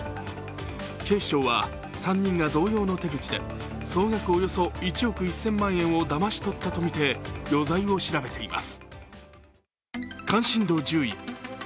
警視庁は３人が同様の手口で総額およそ１億１０００万円をだまし取ったとみて余罪を調べています。